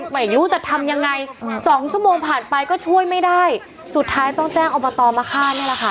ไม่รู้จะทำยังไงสองชั่วโมงผ่านไปก็ช่วยไม่ได้สุดท้ายต้องแจ้งอบตมาฆ่านี่แหละค่ะ